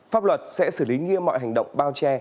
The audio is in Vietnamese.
pháp luật sẽ xử lý nghiêm mọi hành động bao che